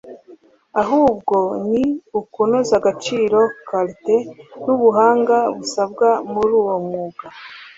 ahubwo no ni ukunoza agaciro (quality) n’ubuhanga busabwa muri uwo mwuga